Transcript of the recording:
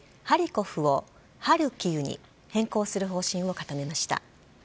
ハリコフをハルキウに変更する方針を固めました。